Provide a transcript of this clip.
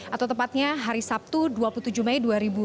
atau tepatnya hari sabtu dua puluh tujuh mei dua ribu dua puluh